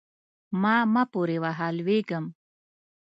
ما مه پورې وهه؛ لوېږم.